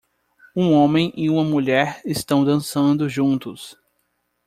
Um homem e uma mulher estão dançando juntos